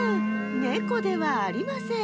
ネコではありません。